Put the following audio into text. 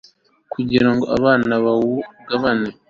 kugira ngo abana bawugabane